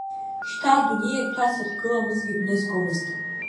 Шьҭа адунеи агәҭа сахьгыламызгьы гәнызгомызт.